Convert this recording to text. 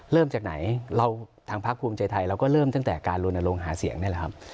เริ่มจากไหนเราทางพักภูมิใจไทยเราก็เริ่มตั้งแต่การลนลงหาเสียงนี่แหละครับ